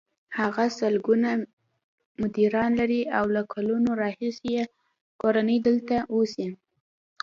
هغه سلګونه مریدان لري او له کلونو راهیسې یې کورنۍ دلته اوسي.